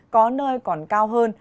có nơi còn cao hơn